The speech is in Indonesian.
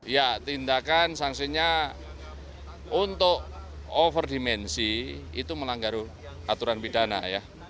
ya tindakan sanksinya untuk overdimensi itu melanggar aturan pidana ya